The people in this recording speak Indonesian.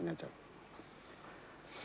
tentang kejadian yang sebenarnya cat